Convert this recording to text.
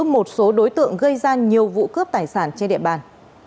một số đối tượng gây ra nhiều vụ cướp tài sản trên địa bàn